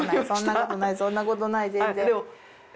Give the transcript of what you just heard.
そんなことないそんなことない全然。